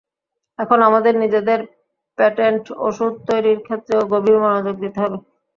এখন আমাদের নিজেদের পেটেন্ট ওষুধ তৈরির ক্ষেত্রেও গভীর মনোযোগ দিতে হবে।